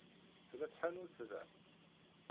Tella tḥanutt da?